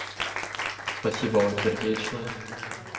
Спасибо вам сердечное.